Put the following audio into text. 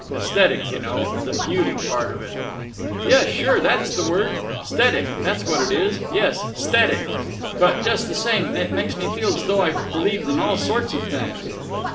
Esthetic, you know—the beauty part of it." "Yuh, sure, that's the word. 'Sthetic, that's what it is. Yes, 'sthetic. But, just the same, it makes me feel's though I believed in all sorts of things."